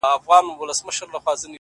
نو د وجود!